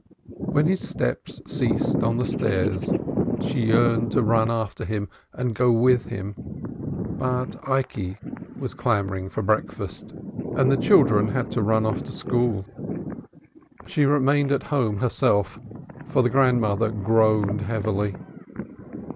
When his steps ceased on the stairs, she yearned to run after him and go with him, but Ikey was clamoring for breakfast and the children had to run off to school. She remained at home herself, for the grandmother groaned heavily.